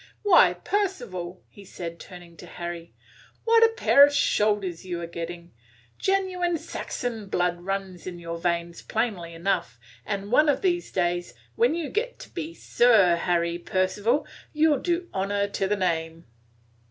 "Why, Percival!" he said, turning to Harry, "what a pair of shoulders you are getting! Genuine Saxon blood runs in your veins plainly enough, and one of these days, when you get to be Sir Harry Percival, you 'll do honor to the name."